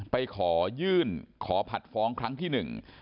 ไปขอยื่นขอผัดฟ้องครั้งที่หนึ่ง